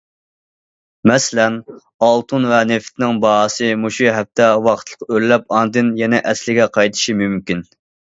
مەسىلەن، ئالتۇن ۋە نېفىتنىڭ باھاسى مۇشۇ ھەپتە ۋاقىتلىق ئۆرلەپ ئاندىن يەنە ئەسلىگە قايتىشى مۇمكىن.